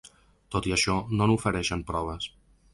Tot i això, no n’ofereixen proves.